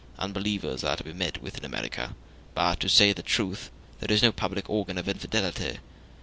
Unbelievers are to be met with in America, but, to say the truth, there is no public organ of infidelity.